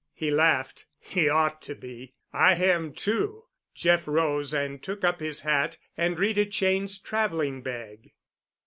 He laughed. "He ought to be. I am, too." Jeff rose and took up his hat and Rita Cheyne's traveling bag.